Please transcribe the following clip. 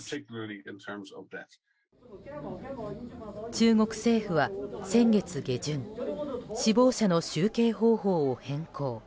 中国政府は先月下旬死亡者の集計方法を変更。